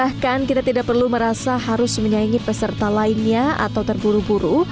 bahkan kita tidak perlu merasa harus menyaingi peserta lainnya atau terburu buru